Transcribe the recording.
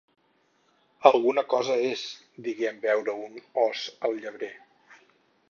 Alguna cosa és, digué en veure un os el llebrer.